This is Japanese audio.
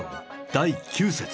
第９節。